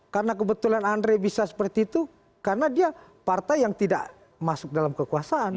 karena kebetulan andre bisa seperti itu karena dia partai yang tidak masuk dalam kekuasaan